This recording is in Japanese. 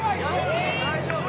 ・大丈夫？